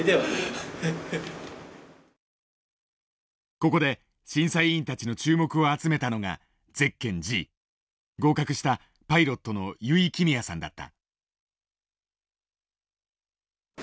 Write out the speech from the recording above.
ここで審査委員たちの注目を集めたのがゼッケンＧ合格したパイロットの油井亀美也さんだった。